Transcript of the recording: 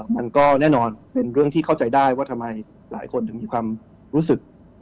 มันก็แน่นอนเป็นเรื่องที่เข้าใจได้ว่าทำไมหลายคนถึงมีความรู้สึก